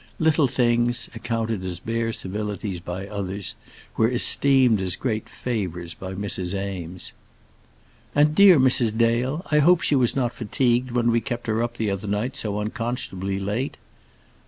Little things, accounted as bare civilities by others, were esteemed as great favours by Mrs. Eames. "And dear Mrs. Dale? I hope she was not fatigued when we kept her up the other night so unconscionably late?"